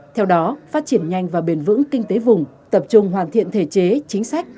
theo đó phát triển nhanh và bền vững kinh tế vùng tập trung hoàn thiện thể chế chính sách